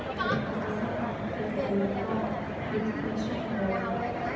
พี่แม่ที่เว้นได้รับความรู้สึกมากกว่า